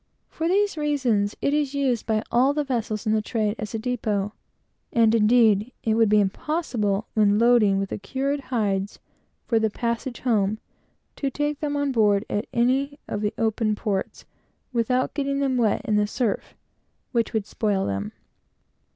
For these reasons, it is used by all the vessels in the trade, as a depot; and, indeed, it would be impossible, when loading with the cured hides for the passage home, to take them on board at any of the open ports, without getting them wet in the surf, which would spoil them.